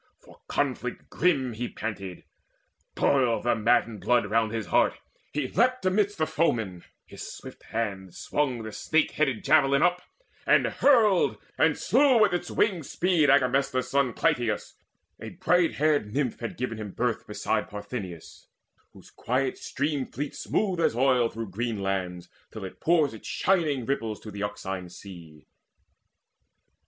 For conflict grim He panted: boiled the mad blood round his heart He leapt amidst the foemen; his swift hands Swung the snake headed javelin up, and hurled, And slew with its winged speed Agamestor's son Cleitus, a bright haired Nymph had given him birth Beside Parthenius, whose quiet stream Fleets smooth as oil through green lands, till it pours Its shining ripples to the Euxine sea.